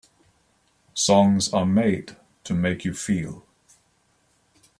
Songs are made to make you feel.